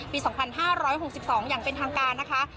ปี๒๕๖๒อย่างเป็นทางการนะคะ